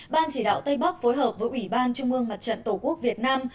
ban chỉ đạo tây bắc phối hợp với ủy ban trung ương mặt trận tổ quốc việt nam